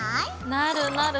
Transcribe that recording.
なるなる